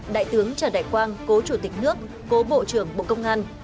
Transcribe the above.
đại tướng trần đại quang cố chủ tịch nước cố bộ trưởng bộ công an